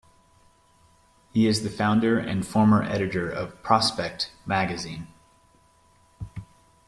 He is the founder and former editor of "Prospect" magazine.